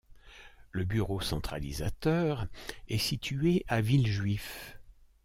Le bureau centralisateur est situé à Villejuif.